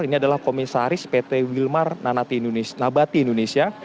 ini adalah komisaris pt wilmar nanabati indonesia